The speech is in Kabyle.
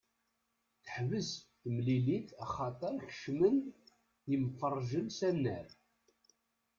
Teḥbes temilit axaṭer kecmen-d yemferrĝen s annar.